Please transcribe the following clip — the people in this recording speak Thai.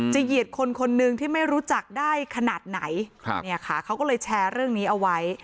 เหยียดคนคนหนึ่งที่ไม่รู้จักได้ขนาดไหนครับเนี่ยค่ะเขาก็เลยแชร์เรื่องนี้เอาไว้